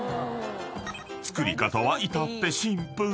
［作り方は至ってシンプル］